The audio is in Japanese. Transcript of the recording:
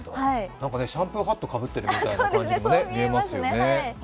シャンプーハットかぶってるような感じに見えますよね。